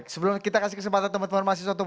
sebelum kita kasih kesempatan teman teman masih